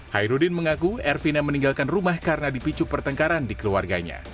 hairudin mengaku ervina meninggalkan rumah karena dipicu pertengkaran di keluarganya